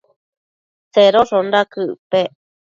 Tsedoshonda quëc pec?